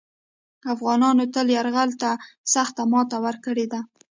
افغانانو تل یرغلګرو ته سخته ماته ورکړې ده